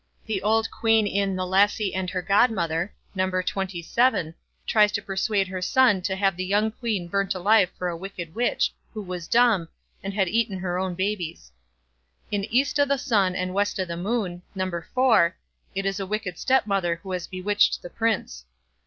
The old queen in "The Lassie and her Godmother", No. xxvii, tries to persuade her son to have the young queen burnt alive for a wicked witch, who was dumb, and had eaten her own babes. In "East o' the Sun and West o' the Moon", No. iv, it is a wicked stepmother who has bewitched the prince.